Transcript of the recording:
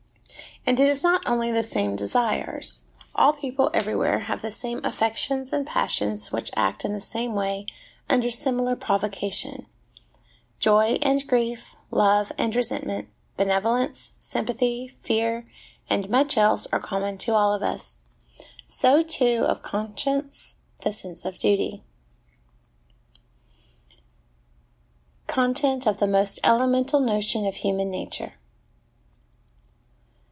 And it is not only the same desires ; all people, everywhere, have the same affections and passions which act in the same way under similar provocation : joy and grief, love and resentment, benevolence, sympathy, fear, and much else, are common to all of us. So, too, of conscience, the sense of duty. Content of the most Elemental Notion of Human Nature.